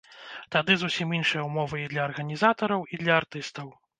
Тады зусім іншыя ўмовы і для арганізатараў, і для артыстаў.